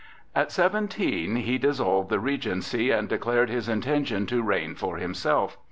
At seventeen, he dissolved the regency and declared his intention to reign for himself.